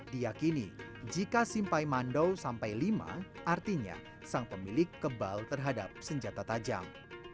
diakini jika simpai mandau sampai lima artinya sang pemilik kebal terhadap senjata tajam